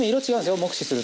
目視すると。